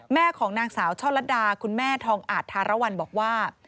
ของนางสาวช่อลัดดาคุณแม่ทองอาจธารวรรณบอกว่า